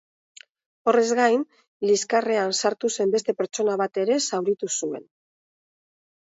Horrez gain, liskarrean sartu zen beste pertsona bat ere zauritu zuen.